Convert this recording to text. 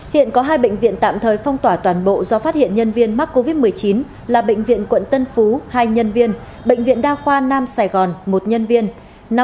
hiện có hai bệnh viện tạm thời phong tỏa toàn bộ do phát hiện nhân viên mắc covid một mươi chín là bệnh viện quận tân phú hai nhân viên bệnh viện đa khoa nam sài gòn một nhân viên